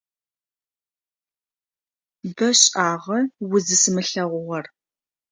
Бэшӏагъэ узысымылъэгъугъэр.